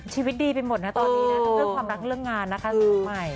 ชีวิตดีไปหมดนะตอนนี้นะเพื่อความรักเรื่องงานนะคะน้องไม